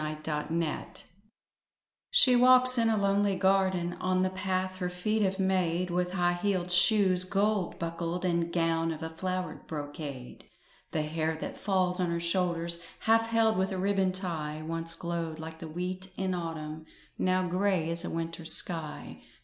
THE OLD MAID She walks in a lonely garden On the path her feet have made, With high heeled shoes, gold buckled, And gown of a flowered brocade; The hair that falls on her shoulders, Half held with a ribbon tie, Once glowed like the wheat in autumn, Now grey as a winter sky.